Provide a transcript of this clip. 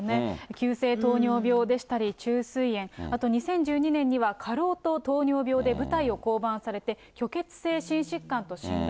急性糖尿病でしたり、虫垂炎、あと２０１２年には過労と糖尿病で舞台を降板されて、虚血性心疾患と診断。